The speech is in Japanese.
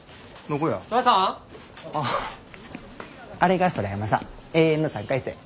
あれが空山さん永遠の３回生。